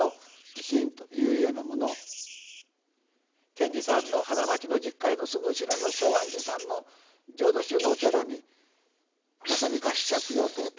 賢治さんの花巻の実家のすぐ後ろの松庵寺さんの浄土宗のお寺にまさに餓死者供養塔と。